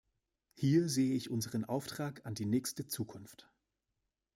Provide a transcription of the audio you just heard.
Hier sehe ich unseren Auftrag an die nächste Zukunft.